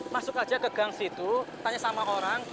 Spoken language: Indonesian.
masuk aja ke gang situ tanya sama orang